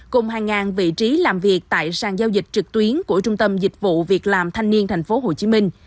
cùng hai vị trí làm việc tại sàn giao dịch trực tuyến của trung tâm dịch vụ việc làm thanh niên tp hcm